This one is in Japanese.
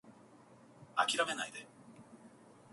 諦めないで